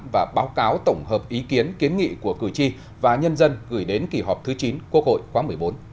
và báo cáo tổng hợp ý kiến kiến nghị của cử tri và nhân dân gửi đến kỳ họp thứ chín quốc hội khóa một mươi bốn